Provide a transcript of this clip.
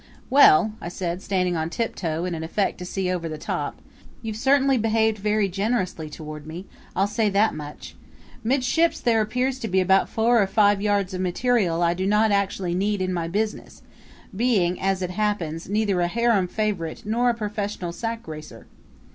"Well," I said, standing on tiptoe in an effort to see over the top, "you've certainly behaved very generously toward me I'll say that much. Midships there appears to be about four or five yards of material I do not actually need in my business, being, as it happens, neither a harem favorite nor a professional sackracer.